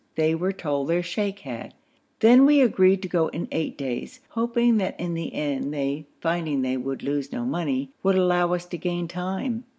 They were told their sheikh had. Then we agreed to go in eight days, hoping that in the end they, finding they would lose no money, would allow us to gain time.